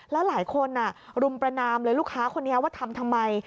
แล้วหลายคนรุมประนามเลยลูกค้าคนนี้ว่าทำทำไม